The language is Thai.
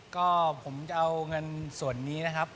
ก็ผมจะเอาเงินส่วนนี้นะครับ